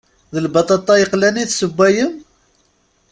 D lbaṭaṭa yeqlan i tessewwayem?